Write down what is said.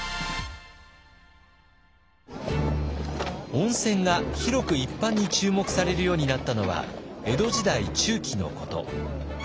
温泉が広く一般に注目されるようになったのは江戸時代中期のこと。